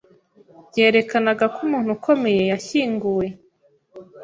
byerekanaga ko umuntu ukomeye yashyinguwe